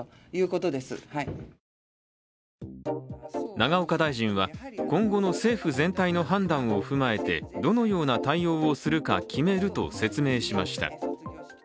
永岡大臣は今後の政府全体の判断を踏まえてどのような対応をするか決めると説明しました。